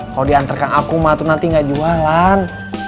kalo diantarkan akum mah tuh nanti gak jualan